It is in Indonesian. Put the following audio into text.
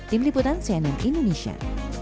tim liputan cnn indonesia